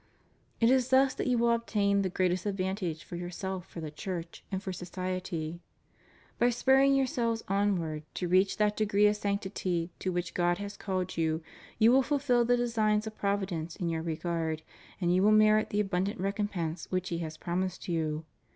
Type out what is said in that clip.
It is thus that you will obtain the greatest ad vantage for yourselves, for the Church, and for society. By spurring yourselves onward to reach that degree of sanctity to which God has called you, you will fulfil the designs of Providence in your regard and you will merit the abundant recompense which He has promised you.